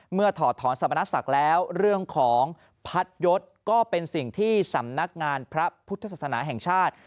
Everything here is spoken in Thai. ถอดถอนสมณศักดิ์แล้วเรื่องของพัดยศก็เป็นสิ่งที่สำนักงานพระพุทธศาสนาแห่งชาติ